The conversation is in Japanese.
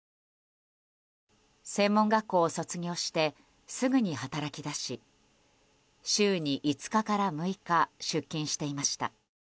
専門学校を卒業してすぐに働き出し週に５日から６日出勤していました。